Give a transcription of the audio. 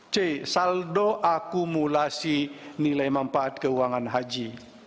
c saldo akumulasi nilai manfaat keuangan haji